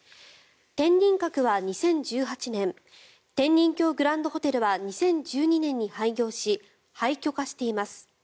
天人閣は２０１８年天人峡グランドホテルは２０１２年に廃業し廃虚化しています。